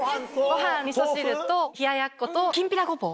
ご飯みそ汁と冷ややっこときんぴらごぼう。